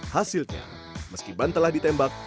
hasilnya meski ban telah ditembak